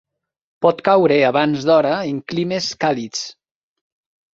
Pot caure abans d'hora en climes càlids.